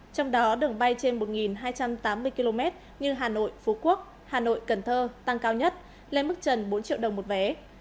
trong đó đường bay trên một hai trăm tám mươi km như hà nội phú quốc hà nội cần thơ tăng cao nhất lên mức trần bốn triệu đồng một vé